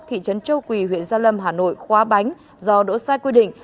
thị trấn châu quỳ huyện gia lâm hà nội khóa bánh do đỗ sai quy định